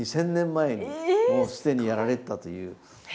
２０００年前にもう既にやられてたという。